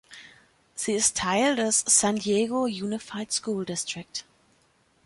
Sie ist Teil des San Diego Unified School District.